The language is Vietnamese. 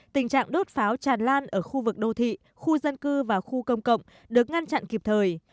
tình trạng đốt pháo tràn lan ở khu vực đô thị khu dân cư và khu công cộng được ngăn chặn kịp thời